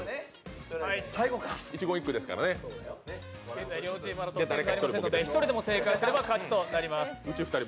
現在、両チームまだ得点がありませんので１人でも正解すれば勝ちとなります。